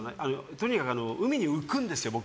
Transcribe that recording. とにかく海に浮くんですよ、僕。